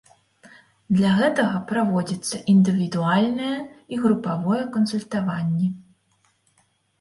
Для гэтага праводзіцца індывідуальнае і групавое кансультаванні.